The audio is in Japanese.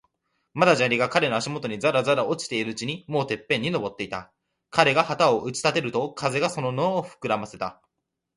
まだ砂利が彼の足もとにざらざら落ちているうちに、もうてっぺんに登っていた。彼が旗を打ち立てると、風がその布をふくらませた。